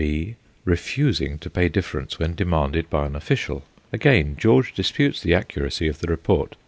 (b) Refusing to pay difference when demanded by an official. (Again George disputes the accuracy of the report.